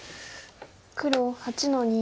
黒８の二。